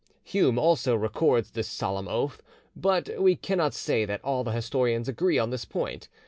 Hume also records this solemn oath, but we cannot say that all the historians agree on this point.